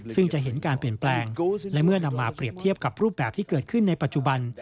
ซึ่งจะเห็นการเปลี่ยนแปลงและเมื่อนำมาเปรียบเทียบกับรูปแบบที่เกิดขึ้นในปัจจุบัน